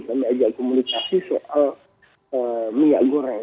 kami ajak komunikasi soal minyak goreng